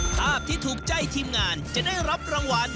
ภาพที่ถูกใจทีมงานจะได้รับรางวัล